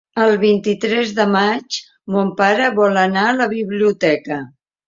El vint-i-tres de maig mon pare vol anar a la biblioteca.